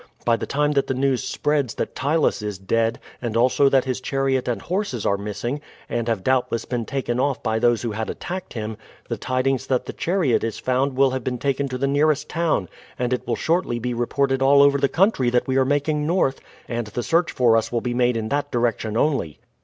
By the time that the news spreads that Ptylus is dead, and also that his chariot and horses are missing, and have doubtless been taken off by those who had attacked him, the tidings that the chariot is found will have been taken to the nearest town, and it will shortly be reported all over the country that we are making north, and the search for us will be made in that direction only."